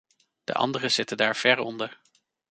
De andere zitten daar ver onder.